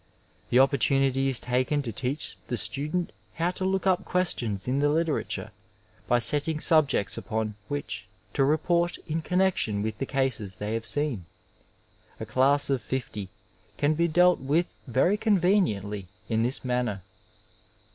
The opportunity is taken to teach the student how to look up questions in the literature by setting subjects upon which to repc^ in connexion with the cases they have seen. A class of fifty can be dealt with very conveniently in this manner.